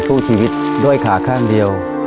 ไปอยู่สู้ชีวิตด้วยขาข้างเดียว